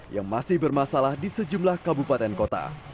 yang masih bermasalah di sejumlah kabupaten kota